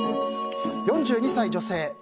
４２歳女性。